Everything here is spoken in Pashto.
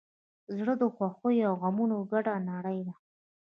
زړه د خوښیو او غمونو ګډه نړۍ ده.